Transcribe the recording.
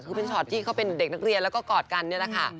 คือเป็นช็อตที่เขาเป็นเด็กนักเรียนแล้วก็กอดกันนี่แหละค่ะ